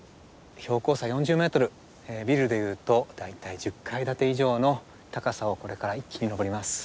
標高差４０ｍビルで言うと大体１０階建て以上の高さをこれから一気に登ります。